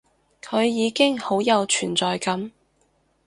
佢已經好有存在感